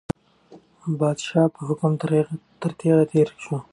قورچي باشي د پادشاه په حکم تر تېغ تېر شو.